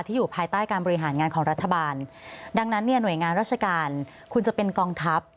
อยู่ภายใต้การบริหารงานของรัฐบาลดังนั้นเนี่ยหน่วยงานราชการคุณจะเป็นกองทัพ